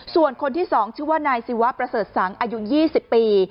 ส่วนคนที่๒ชื่อว่านายศิวะประเสริฐสังอายุ๒๐ปี